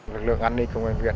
lực lượng an ninh công an huyện